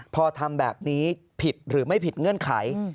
พอทำแบบนี้ผิดหรือไม่ผิดเงื่อนไข